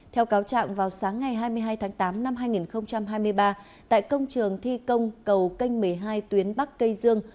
theo cáo trạng vào sáng ngày hai mươi hai tháng tám năm hai nghìn hai mươi ba tại công trường thi công cầu canh một mươi hai tuyến bắc cây dương